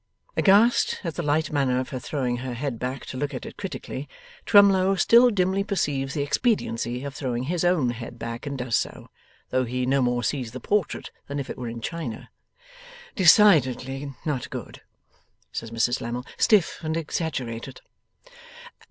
Aghast at the light manner of her throwing her head back to look at it critically, Twemlow still dimly perceives the expediency of throwing his own head back, and does so. Though he no more sees the portrait than if it were in China. 'Decidedly not good,' says Mrs Lammle. 'Stiff and exaggerated!